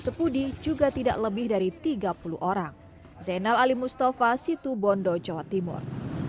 sepudi juga tidak lebih dari tiga puluh orang zainal ali mustafa situ bondo jawa timur